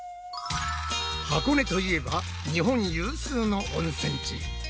箱根といえば日本有数の温泉地。